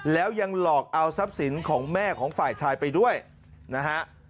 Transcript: แล้วยังหลอกเอาทรัพย์สินของแม่ของฝ่ายชายไปด้วยนะฮะ